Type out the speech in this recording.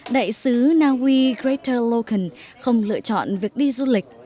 đại sứ naui greta loken không lựa chọn việc đi du lịch